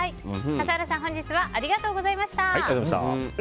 笠原さん、本日はありがとうございました。